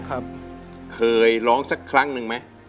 เคยร้องสักครั้งหนึ่งไหม